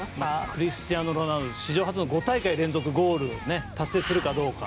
クリスティアーノ・ロナウドが史上初の５大会連続ゴールを達成するかどうか。